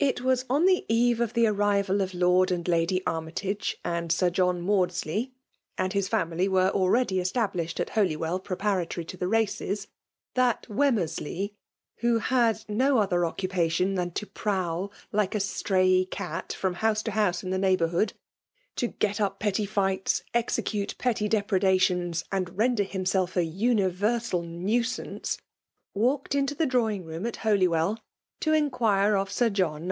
was on the. eve of the arrival of j^effd; and Lady Armytage^ and Sir John Maodslsy. and his family were already established ^at, Holywell, preparatory to the races, that Wem « merdey, — who had no other occupation than to prowl like a stray cat front house to house in the neighbourhood, to get up petty fights, execute petty depredations, and render himself a universal nuisance, — ^walked into the draw ing room at Holywell to inquire of Sir John PKMALB DOMIKATION.